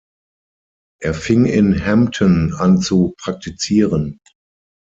Er fing in Hampton an zu praktizieren.